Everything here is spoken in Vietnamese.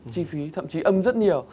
chi phí thậm chí âm rất nhiều